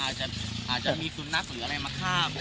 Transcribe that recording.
อาจจะมีศูนย์นักหรืออะไรมาข้าม